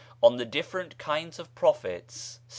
On the different kinds of Prophets, cp.